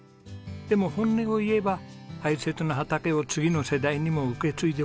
でも本音を言えば大切な畑を次の世代にも受け継いでほしい。